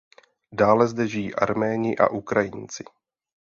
Dále zde žijí Arméni a Ukrajinci.